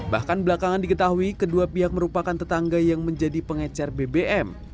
bahkan belakangan diketahui kedua pihak merupakan tetangga yang menjadi pengecer bbm